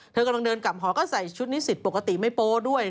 กำลังเดินกลับหอก็ใส่ชุดนิสิตปกติไม่โป๊ด้วย